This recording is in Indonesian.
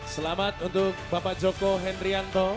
selamat untuk bapak joko hendrianto